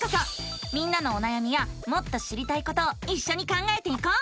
みんなのおなやみやもっと知りたいことをいっしょに考えていこう！